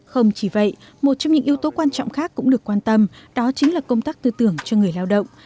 không chỉ vậy một trong những yếu tố quan trọng khác cũng được quan tâm đó chính là công tác tư tưởng cho người lao động